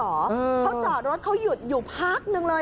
เขาจอดรถเขาหยุดอยู่พักนึงเลย